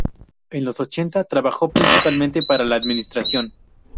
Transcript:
En los ochenta trabajó, principalmente, para la Administración.